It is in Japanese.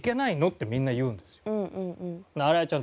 ってみんな言うんですよ。